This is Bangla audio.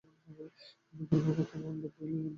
কিন্তু ফেরবার পথ বন্ধ হয়ে গেছে, আমাদের দুজনেরই।